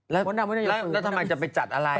แล้วทำไมจะไปจัดอะไร